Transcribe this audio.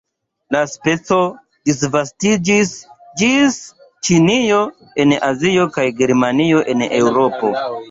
La speco disvastiĝis ĝis Ĉinio en Azio kaj Germanio en Eŭropo.